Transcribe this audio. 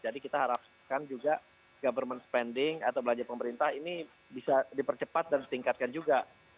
jadi kita harapkan juga government spending atau belanja pemerintah ini bisa dipercepat dan setingkatkan juga